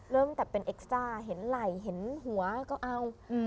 เริ่มแต่เป็นเอ็กซ้าเห็นไหล่เห็นหัวก็เอา